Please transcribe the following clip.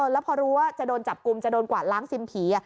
แล้วพอรู้ว่าจะโดนจับกลุ่มจะโดนกวาดล้างซิมผี